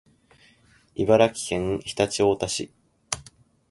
茨城県常陸太田市